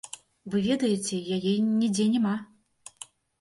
Вы ведаеце, яе нідзе няма.